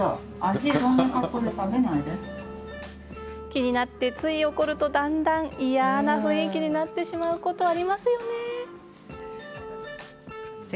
気になってつい怒るとだんだん嫌な雰囲気になってしまうことも。